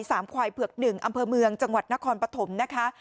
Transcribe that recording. ควายเผือกหนึ่งอำเภอเมืองจังหวัดนครปฐมนะคะ